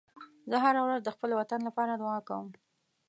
زه هره ورځ د وطن لپاره دعا کوم.